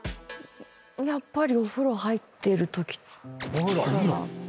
やっぱりお風呂入ってるときかな。